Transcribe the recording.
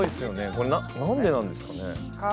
これ何でなんですかね？